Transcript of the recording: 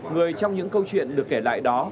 người trong những câu chuyện được kể lại đó